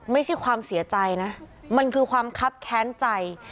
ไม่ใช่ความเสียใจนะมันคือความคับแค้นใจ